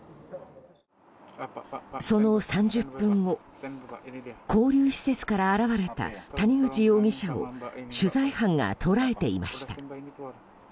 その３０分後勾留施設から現れた谷口容疑者を取材班が捉えていました。